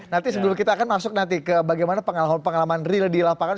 nanti sebelum kita akan masuk nanti ke bagaimana pengalaman pengalaman real di lapangan